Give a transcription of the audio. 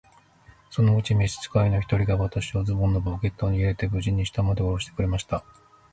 そのうちに召使の一人が、私をズボンのポケットに入れて、無事に下までおろしてくれました。